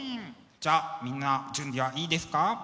じゃあみんな準備はいいですか？